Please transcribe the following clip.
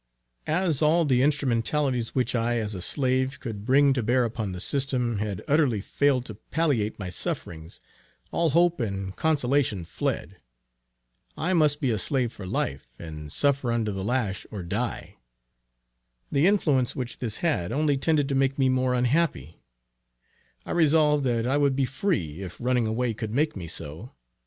As all the instrumentalities which I as a slave, could bring to bear upon the system, had utterly failed to palliate my sufferings, all hope and consolation fled. I must be a slave for life, and suffer under the lash or die. The influence which this had only tended to make me more unhappy. I resolved that I would be free if running away could make me so.